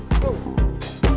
terima kasih bang